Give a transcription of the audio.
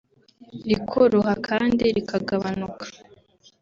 rikoroha kandi rikagabanuka